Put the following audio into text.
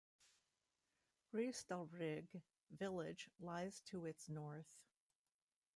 Restalrig village lies to its north.